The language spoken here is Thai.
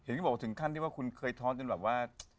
เห็นไหมบอกถึงขั้นที่ว่าคุณเคยท้อนจนแบบว่า